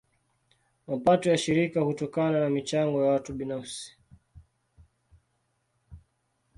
Mapato ya shirika hutokana na michango ya watu binafsi.